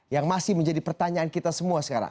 yang masih menjadi pertanyaan kita semua sekarang